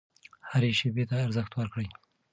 هرې شیبې ته ارزښت ورکړئ.